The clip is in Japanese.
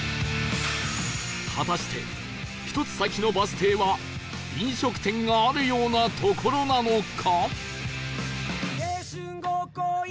果たして１つ先のバス停は飲食店があるような所なのか？